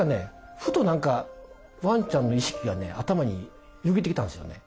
ふと何かワンちゃんの意識がね頭によぎってきたんですよね。